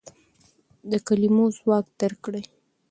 د کلمو ځواک درک کړئ.